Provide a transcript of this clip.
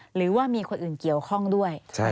หรือว่ามีคนอื่นเกี่ยวข้องด้วย